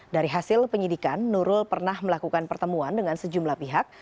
dari hasil penyidikan nurul pernah melakukan pertemuan dengan sejumlah pihak